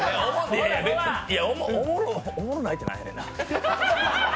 おもろないって何やねんな。